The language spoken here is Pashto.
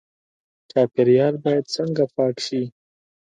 چاپیریال باید څنګه پاک شي؟